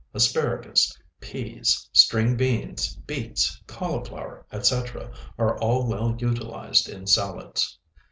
Asparagus, peas, string beans, beets, cauliflower, etc., are all well utilized in salads.